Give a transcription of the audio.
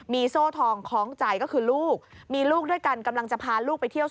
มีโซ่ทองคล้องใจก็คือลูก